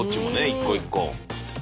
一個一個。